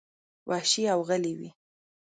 وحشي او غلي وې.